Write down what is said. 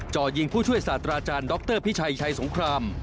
จ่อยิงผู้ช่วยศาสตราจารย์ดรพิชัยชัยสงคราม